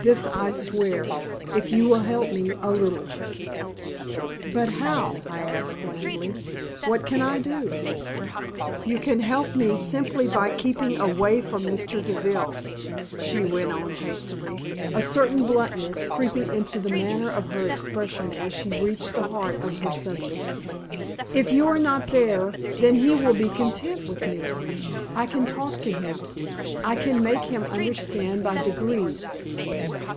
This I swear if you will help me a little." "But how?" I asked, blandly. "What can I do?" "You can help me simply by keeping away from Mr. Deville," she went on, hastily, a certain bluntness creeping into the manner of her expression as she reached the heart of her subject. "If you are not there, then he will be content with me, I can talk to him. I can make him understand by degrees.